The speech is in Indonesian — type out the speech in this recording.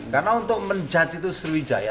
karena untuk menjadikan itu sriwijaya